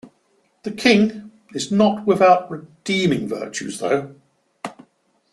The king is not without redeeming virtues, though.